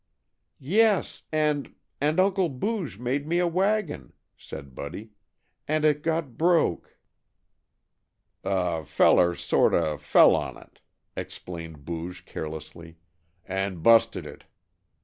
"Yes and and Uncle Booge made me a wagon," said Buddy, "and it got broke." "A feller sort of fell on it," explained Booge carelessly, "and busted it.